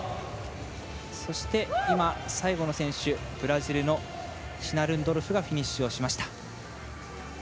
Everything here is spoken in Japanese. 最後の選手、ブラジルのシナルンドルフがフィニッシュしました。